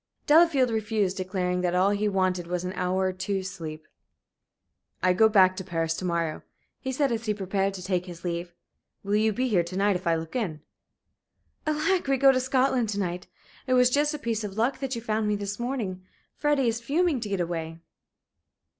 Delafield refused, declaring that all he wanted was an hour or two's sleep. "I go back to Paris to morrow," he said, as he prepared to take his leave. "Will you be here to night if I look in?" "Alack! we go to Scotland to night! It was just a piece of luck that you found me this morning. Freddie is fuming to get away."